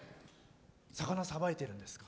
魚、さばいてるんですか？